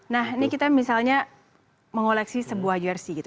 nah ini kita misalnya mengoleksi sebuah jersi gitu